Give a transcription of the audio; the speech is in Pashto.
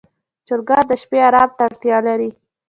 چرګان د شپې آرام ته اړتیا لري.